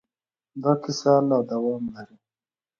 دا کیسه لا دوام لري.